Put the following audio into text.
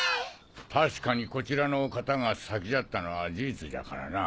確かにこちらの方が先じゃったのは事実じゃからな。